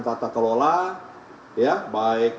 tata kelola ya baik